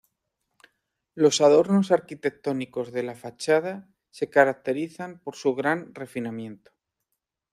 Los adornos arquitectónicos de la fachada se caracterizan por su gran refinamiento.